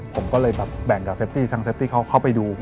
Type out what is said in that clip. ผมก็เลยแบบแบ่งกับเซฟตี้ทางเฟตี้เขาเข้าไปดู